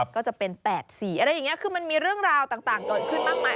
ก็จะเป็น๘๔อะไรอย่างนี้คือมันมีเรื่องราวต่างเกิดขึ้นมากมาย